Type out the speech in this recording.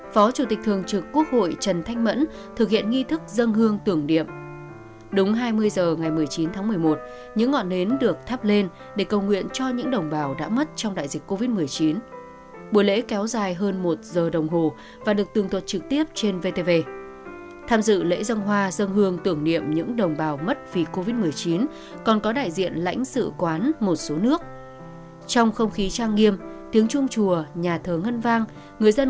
phó thủ tướng vũ đức đam thực hiện nghi thức dân hương tưởng niệm đồng bào cán bộ chiến sĩ hy sinh tử vong trong đại dịch covid một mươi chín